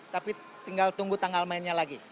tapi tinggal tunggu tanggal mainnya lagi